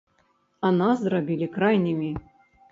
А нас зрабілі крайнімі.